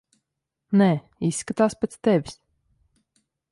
Nē, izskatās pēc tevis.